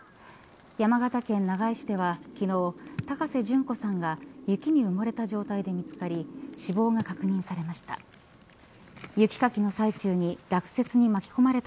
山形県長井市では昨日高世淳子さんが雪に埋もれた状態で見つかり死亡が確認されました。